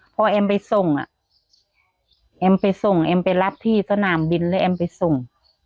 พอเอ็มไปส่งอ่ะเอ็มไปส่งเอ็มไปรับที่ตอนนามบินเลยเอ็มไปส่ง